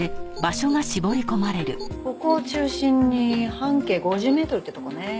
ここを中心に半径５０メートルってとこね。